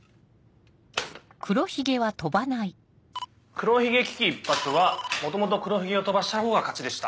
「黒ひげ危機一発」は元々黒ひげを飛ばした方が勝ちでした。